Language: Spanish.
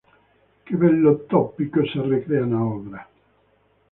Que vello tópico se recrea na obra.